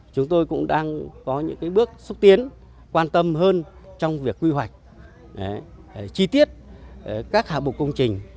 chúng tôi cũng đang có những bước xúc tiến quan tâm hơn trong việc quy hoạch chi tiết các hạng mục công trình